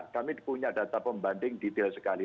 kami punya data pembanding detail sekali